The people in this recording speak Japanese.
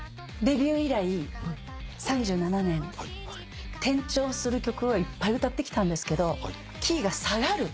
デビュー以来３７年転調する曲はいっぱい歌ってきたんですけどキーが下がる。